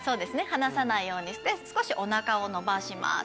離さないようにして少しお腹を伸ばします。